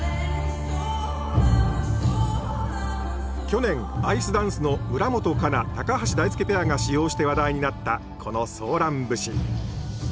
去年アイスダンスの村元哉中・橋大輔ペアが使用して話題になったこの「ソーラン節」。